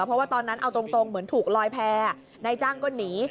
เพราะว่าตอนนั้นเอาตรงเหมือนถูกลอยแพร่นายจ้างก็หนี